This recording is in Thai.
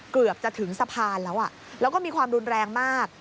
เกือบจะถึงสะพานแล้วแล้วก็มีความรุนแรงมาก